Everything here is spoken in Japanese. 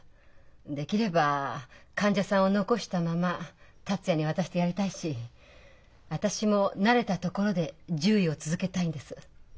できれば患者さんを残したまま達也に渡してやりたいし私も慣れた所で獣医を続けたいんです。